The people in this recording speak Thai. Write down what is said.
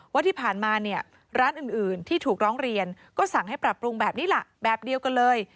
ว่าที่ผ่านมาเนี่ยร้านอื่นที่ถูกร้องเรียนก็สั่งให้ปรับปรุงแบบนี้ล่ะแบบเดียวกันเลย